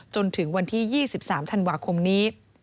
จนถึงวันที่๒๓ธันวาคมนี้